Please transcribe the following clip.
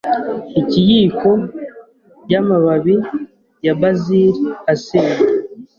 Ikiyiko y’amababi ya Basil aseye,